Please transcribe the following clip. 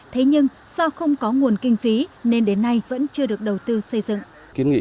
thế nhưng do không có nguồn kinh phí nên đến nay vẫn chưa được đầu tư xây dựng